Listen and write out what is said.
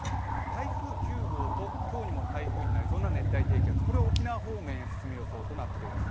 台風９号と今日にも台風になりそうな熱帯低気圧、これは沖縄方面へ進む予想となっています。